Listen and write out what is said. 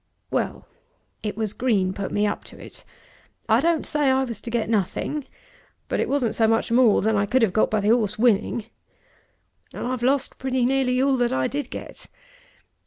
Well; it was Green put me up to it. I don't say I was to get nothing; but it wasn't so much more than I could have got by the 'orse winning. And I've lost pretty nearly all that I did get.